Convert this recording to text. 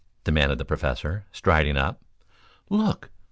demanded the Professor, striding up. "Look!